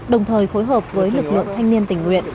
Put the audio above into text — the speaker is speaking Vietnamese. đồng thời phối hợp với lực lượng thanh niên tình nguyện